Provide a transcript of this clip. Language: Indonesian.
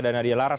dan nadia laras